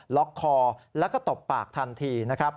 ล็อกคอแล้วก็ตบปากทันทีนะครับ